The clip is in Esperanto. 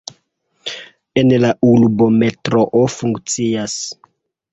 En la urbo metroo funkcias.